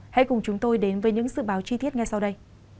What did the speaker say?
hãy cùng chúng tôi đến với những sự báo chi tiết nghe sau đây